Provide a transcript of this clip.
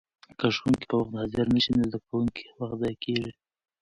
که ښوونکي په وخت حاضر نه شي نو د زده کوونکو وخت ضایع کېږي.